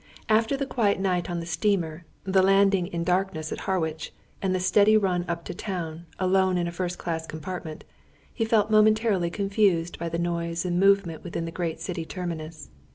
After the quiet night on the steamer, the landing in darkness at Harwich, and the steady run up to town, alone in a first class compartment, he felt momentarily confused by the noise and movement within the great city terminus.